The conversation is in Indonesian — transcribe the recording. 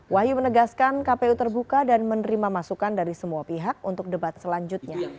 wahyu menegaskan kpu terbuka dan menerima masukan dari semua pihak untuk debat selanjutnya